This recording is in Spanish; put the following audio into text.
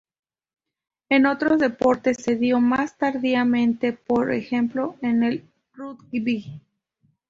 En otros deportes se dio más tardíamente, por ejemplo en el rugby.